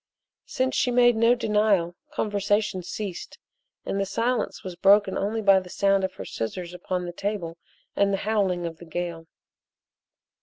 Since she made no denial, conversation ceased, and the silence was broken only by the sound of her scissors upon the table and the howling of the gale.